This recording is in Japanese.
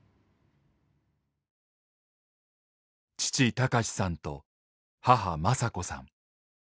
父隆さんと母昌子さん。